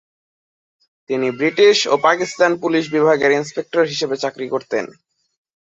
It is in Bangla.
তিনি ব্রিটিশ ও পাকিস্তান পুলিশ বিভাগের ইন্সপেক্টর হিসাবে চাকুরি করতেন।